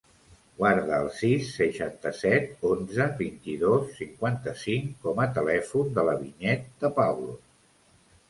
Guarda el sis, seixanta-set, onze, vint-i-dos, cinquanta-cinc com a telèfon de la Vinyet De Pablos.